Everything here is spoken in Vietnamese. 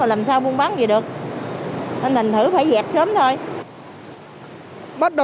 làm sao buôn bán gì được